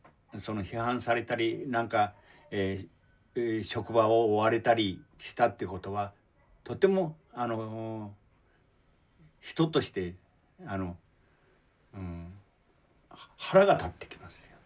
批判されたりなんか職場を追われたりしたってことはとても人としてあの腹が立ってきます。